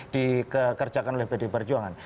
dikerjakan oleh pd perjuangan